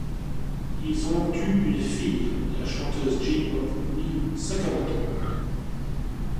Ils ont eu une fille, la chanteuse j-pop Miu Sakamoto.